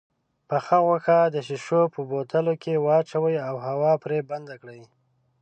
پخه غوښه د شيشو په بوتلو کې واچوئ او هوا پرې بنده کړئ.